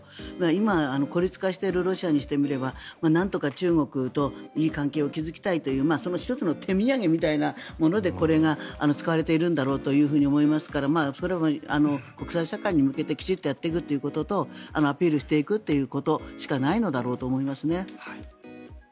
今、孤立化しているロシアにしてみるとなんとか中国といい関係を築きたいというその１つの手土産みたいなものでこれが使われているんだろうと思いますからこれは国際社会に向けてきちっとやっていくということとアピールしていくことしかないのだろうと思いますね。